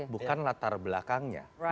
bukan latar belakangnya